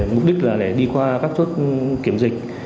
mục đích là để đi qua các chốt kiểm dịch